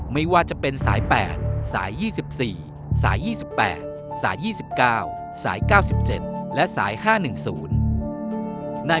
ไม่ว่าจะเป็นสาย๘สาย๒๔สาย๒๘สาย๒๙สาย๙๗และสาย๕๑๐